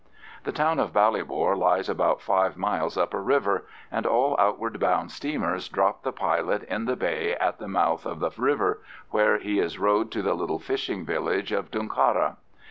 The town of Ballybor lies about five miles up a river, and all outward bound steamers drop the pilot in the bay at the mouth of the river, where he is rowed to the little fishing village of Dooncarra.